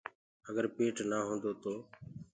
اگر پيٽ نآ هوندو تو